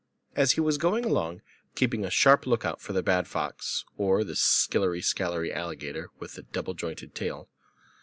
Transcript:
As he was going along keeping a sharp look out for the bad fox, or the skillery scalery alligator with the double jointed tail.